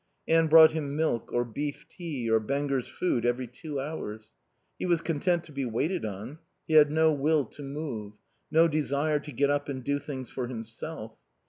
Anne brought him milk or beef tea or Benger's Food every two hours. He was content to be waited on; he had no will to move, no desire to get up and do things for himself.